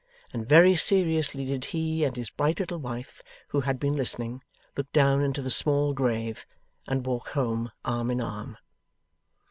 And very seriously did he and his bright little wife, who had been listening, look down into the small grave and walk home arm in arm.